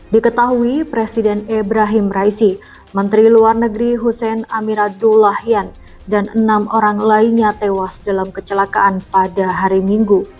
diketahui presiden ebrahim raisi menteri luar negeri hussein amiradullahian dan enam orang lainnya tewas dalam kecelakaan pada hari minggu